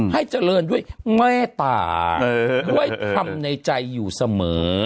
ให้เจริญด้วยแม่ตาด้วยคำในใจอยู่เสมอ